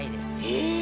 へえ！